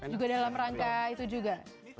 juga dalam rangka itu juga